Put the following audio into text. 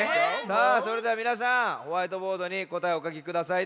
さあそれではみなさんホワイトボードにこたえをおかきください。